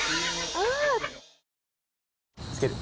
つける？